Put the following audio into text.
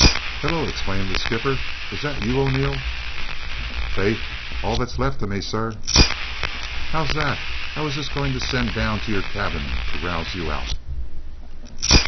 "Hullo!" exclaimed the skipper, "is that you, O'Neil?" "Faith, all that's lift of me, sir!" "How's that? I was just going to send down to your cabin to rouse you out."